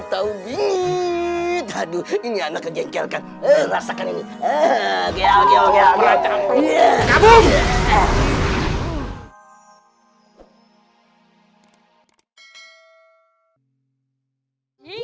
tahu bingit haduh ini anak kejengkelkan merasakan ini oke oke oke oke